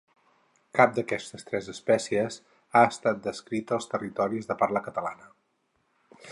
Cap d'aquestes tres espècies ha estat descrita als territoris de parla catalana.